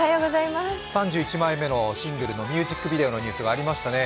３１枚目のシングルのミュージックビデオのニュースがありましたね。